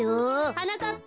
はなかっぱ。